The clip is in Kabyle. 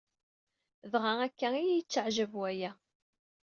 Dɣa akka ay iyi-yettaɛjab waya.